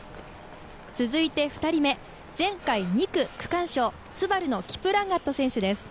続いて二人目、前回２区区間賞、ＳＵＢＡＲＵのキプラガット選手です。